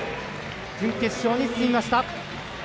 準決勝に進みました！